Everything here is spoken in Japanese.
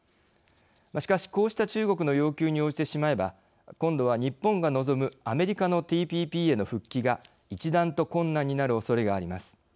しかし、こうした中国の要求に応じてしまえば今度は、日本が望むアメリカのＴＰＰへの復帰が一段と困難になるおそれがあります。